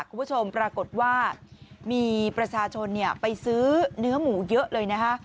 คุณผู้ชมปรากฏว่ามีประชาชนไปซื้อเนื้อหมูเยอะเลยนะคะ